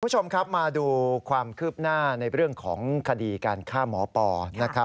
คุณผู้ชมครับมาดูความคืบหน้าในเรื่องของคดีการฆ่าหมอปอนะครับ